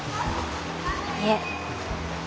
いえ。